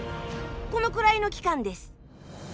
このくらいの期間です。